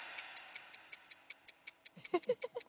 フフフフッ。